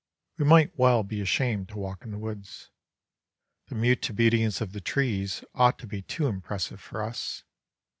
We might well be ashamed to walk in the woods. The mute obedience of the trees ought to be too impressive for us.